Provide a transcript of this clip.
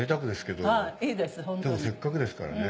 せっかくですからね。